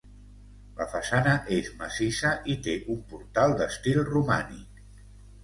La façana és massissa i té un portal d'estil romànic.